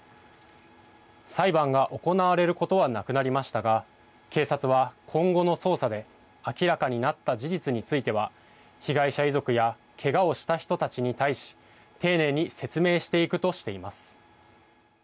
裁判が行われることはなくなりましたが警察は今後の捜査で明らかになった事実については被害者遺族やけがをした人たちに対し丁寧に説明していくとしています。